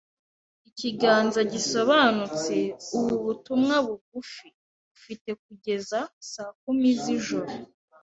ikiganza gisobanutse, ubu butumwa bugufi: “Ufite kugeza saa kumi z'ijoro.”